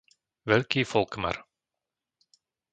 Veľký Folkmar